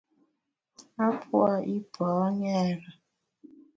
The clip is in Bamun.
A pua’ yipa ṅêre.